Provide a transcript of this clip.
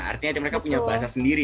artinya mereka punya bahasa sendiri